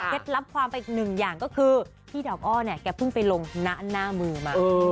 เท็จรับความอีกหนึ่งอย่างก็คือพี่ดอกอ้อเขาเพิ่งไปลงหน้าหน้ามือมา